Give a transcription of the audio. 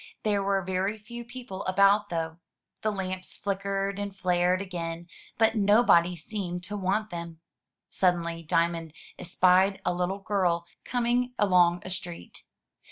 There were very few people about, though. The lamps flickered and flared again, but nobody seemed to want them. Suddenly Diamond espied a little girl coming along a street.